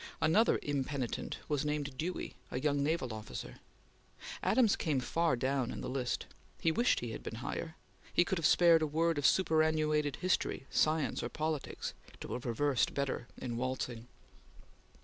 Another impenitent was named Dewey, a young naval officer. Adams came far down in the list. He wished he had been higher. He could have spared a world of superannuated history, science, or politics, to have reversed better in waltzing.